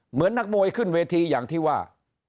เหมือนนักมวยขึ้นเวทีอย่างที่ว่า